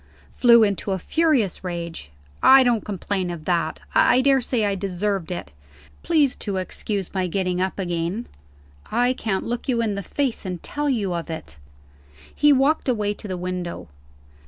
"Flew into a furious rage. I don't complain of that; I daresay I deserved it. Please to excuse my getting up again. I can't look you in the face, and tell you of it." He walked away to the window.